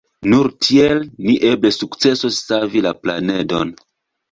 Nur tiel ni eble sukcesos savi la planedon.